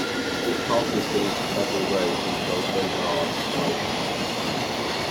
It passes beneath several roads until Bovaird Drive East.